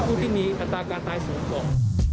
คนที่มีอัปบาลการณ์ท้ายสูงกว่า